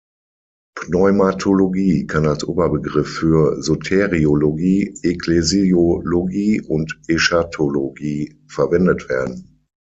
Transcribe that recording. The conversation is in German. Pneumatologie kann als Oberbegriff für Soteriologie, Ekklesiologie und Eschatologie verwendet werden.